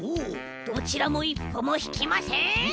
どちらもいっぽもひきません！